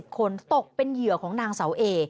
คนตกเป็นเหยื่อของนางเสาเอ